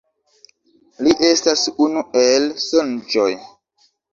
Li estas unu el Sonĝoj.